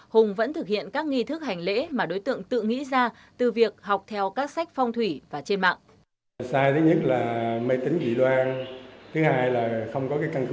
hùng vẫn thực hiện các nghi thức hành lễ mà đối tượng tự nghĩ ra từ việc học theo các sách phong thủy và trên mạng